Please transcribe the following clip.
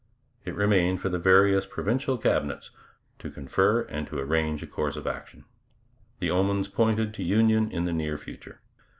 It remained for the various provincial Cabinets to confer and to arrange a course of action. The omens pointed to union in the near future.